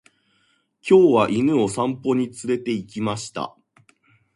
今日は犬を散歩に連れて行きました。